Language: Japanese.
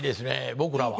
僕らは。